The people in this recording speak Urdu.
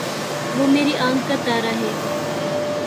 وہ میری آنکھ کا تارا ہے